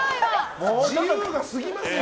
自由がすぎますよ！